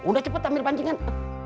udah cepet ambil pancingan